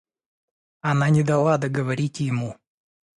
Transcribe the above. Она не дала договорить ему.